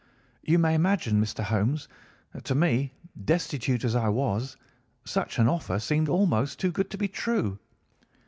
"You may imagine, Mr. Holmes, that to me, destitute as I was, such an offer seemed almost too good to be true.